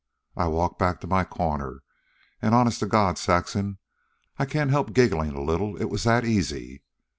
I walk back to my corner, an', honest to God, Saxon, I can't help gigglin' a little, it was that easy.